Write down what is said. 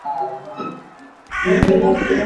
না, গড়বড় আছে।